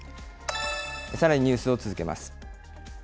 さらにニュースを続けます。